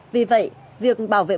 vì vậy việc bảo vệ